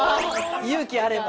勇気あれば。